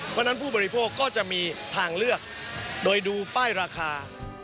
เพราะฉะนั้นผู้บริโภคก็จะมีทางเลือกโดยดูป้ายราคา